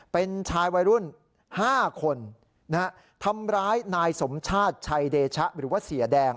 เป็นชายวัยรุ่น๕คนทำร้ายนายสมชาติชัยเดชะหรือว่าเสียแดง